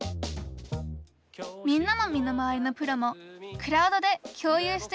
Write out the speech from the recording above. みんなの身の回りのプロもクラウドで共有しているよ。